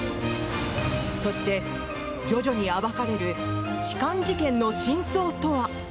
そして、徐々に暴かれる痴漢事件の真相とは。